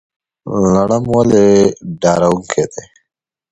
لړم ولې ډارونکی دی؟